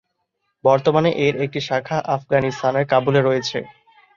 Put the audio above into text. বর্তমানে এর একটি শাখা আফগানিস্তানের কাবুলে রয়েছে।